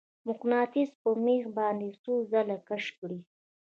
مقناطیس په میخ باندې څو ځلې کش کړئ.